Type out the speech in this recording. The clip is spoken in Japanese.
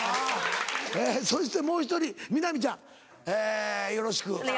そしてもう１人みなみちゃんえぇよろしく。